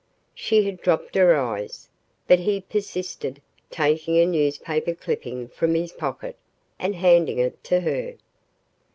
She had dropped her eyes. But he persisted, taking a newspaper clipping from his pocket and handing it to her.